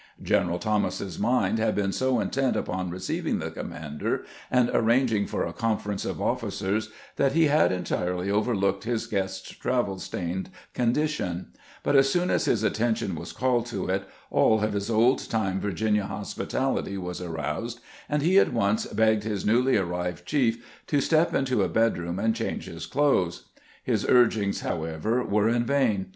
General Thomas's mind had been so intent upon receiving the commander, and arranging for a conference of officers, that he had entirely over looked his guest's travel stained condition ; but as soon as his attention was called to it, all of his old time Vir ginia hospitality was aroused, and he at once begged his newly arrived chief to step into a bedroom and change his clothes. His urgings, however, were in vain.